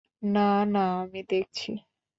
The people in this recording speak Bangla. না, না, আমি দেখছি!